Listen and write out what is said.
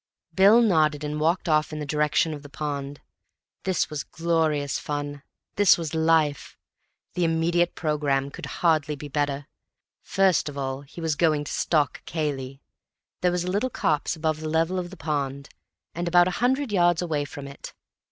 Bill nodded and walked off in the direction of the pond. This was glorious fun; this was life. The immediate programme could hardly be bettered. First of all he was going to stalk Cayley. There was a little copse above the level of the pond, and about a hundred yards away from it.